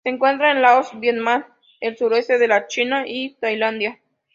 Se encuentra en Laos, Vietnam, el sureste de la China y Tailandia.